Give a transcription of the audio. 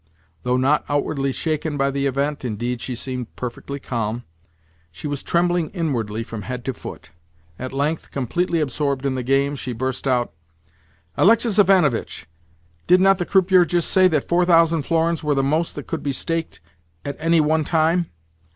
Though not outwardly shaken by the event (indeed, she seemed perfectly calm), she was trembling inwardly from head to foot. At length, completely absorbed in the game, she burst out: "Alexis Ivanovitch, did not the croupier just say that 4000 florins were the most that could be staked at any one time?